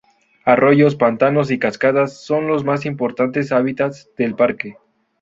Arroyos, pantanos y cascadas son los más importantes hábitats del parque.